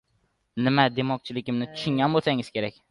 Nima demoqchiligimni tushungan bo‘lsangiz kerak.